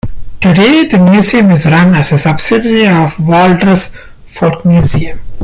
Today the museum is run as a subsidiary of Valdres Folkemuseum.